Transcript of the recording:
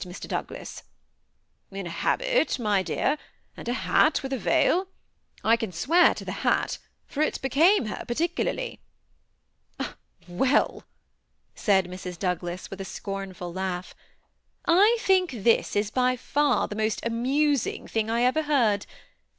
Doug las?" ^' In a habit, my dear, and hat, with a veil. I can swear to the hat, for it became her particularly." ^ Well," said Mrs. Douglas, with a scornful laugh, ^' I think this is by &ur the most amusing thing I ever heard.